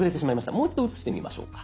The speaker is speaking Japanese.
もう一度写してみましょうか。